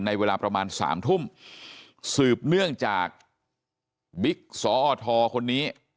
เวลาประมาณสามทุ่มสืบเนื่องจากบิ๊กสอทคนนี้